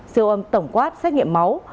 siêu âm tổng quát xét nghiệm máu